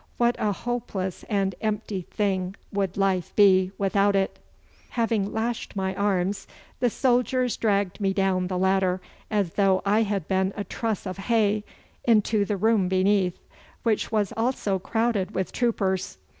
What a hopeless and empty thing would life be without it! Having lashed my arms, the soldiers dragged me down the ladder, as though I had been a truss of hay, into the room beneath, which was also crowded with troopers.